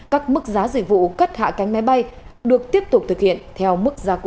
các mức giá dịch vụ cất hạ cánh máy bay được tiếp tục thực hiện theo mức giá cũ